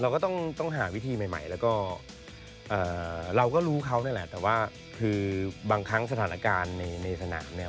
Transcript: ก็ต้องหาวิธีใหม่แล้วก็เราก็รู้เขานั่นแหละแต่ว่าคือบางครั้งสถานการณ์ในสนามเนี่ย